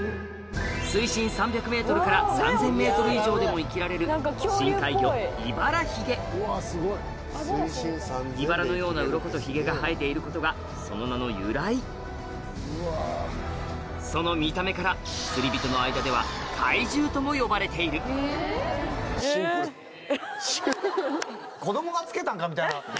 水深３００ｍから３０００ｍ以上でも生きられる深海魚イバラヒゲいばらのようなウロコとヒゲが生えていることがその名の由来その見た目から釣り人の間ではとも呼ばれているみたいな。